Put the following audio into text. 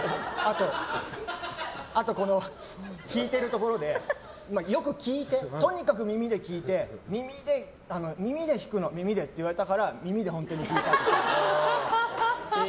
あと弾いてるところでよく聴いて、とにかく耳で聴いて耳で弾くの耳でって言われたから本当に耳で弾いたりとか。